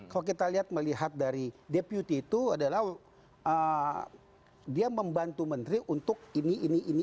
kalau kita lihat melihat dari depute itu adalah dia membantu menteri untuk ini ini ini